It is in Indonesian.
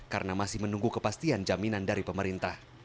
karena masih menunggu kepastian jaminan dari pemerintah